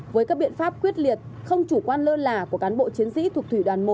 với các biện pháp quyết liệt không chủ quan lơ là của cán bộ chiến sĩ thuộc thủy đoàn một